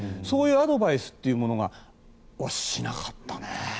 そういうアドバイスというものをしなかったね。